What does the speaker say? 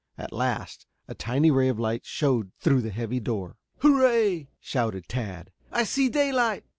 At last a tiny ray of light showed through the heavy door. "Hurrah!" shouted Tad. "I see daylight."